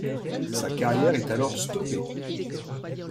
Sa carrière est alors stoppée.